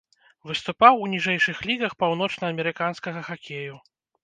Выступаў у ніжэйшых лігах паўночнаамерыканскага хакею.